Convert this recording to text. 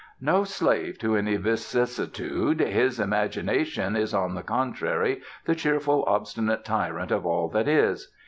No slave to any vicissitude, his imagination is, on the contrary, the cheerful obstinate tyrant of all that is.